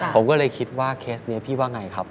ผมก็เลยคิดว่าเคสนี้พี่ว่าไงครับ